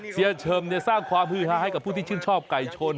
เชิมสร้างความฮือฮาให้กับผู้ที่ชื่นชอบไก่ชน